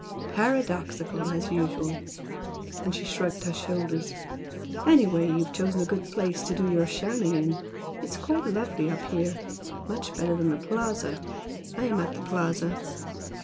"Paradoxical as usual!" and she shrugged her shoulders "Anyway you've chosen a good place to do your shamming in. It's quite lovely up here, much better than the Plaza. I am at the Plaza."